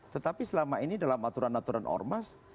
tetapi selama ini dalam aturan aturan ormas